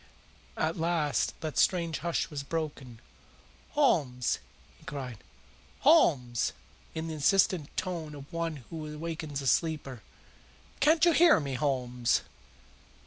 At last that strange hush was broken. "Holmes!" he cried. "Holmes!" in the insistent tone of one who awakens a sleeper. "Can't you hear me, Holmes?"